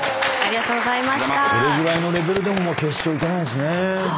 これぐらいのレベルでも決勝行けないんですね。